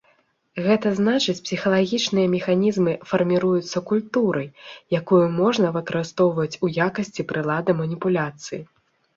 Гэта значыць псіхалагічныя механізмы фарміруюцца культурай, якую можна выкарыстоўваць у якасці прылады маніпуляцыі.